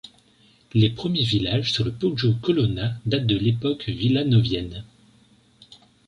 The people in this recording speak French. Les premiers villages sur le poggio Colonna datent de l'époque villanovienne.